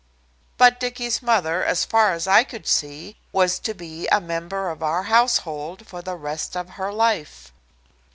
But Dicky's mother, as far as I could see, was to be a member of our household for the rest of her life.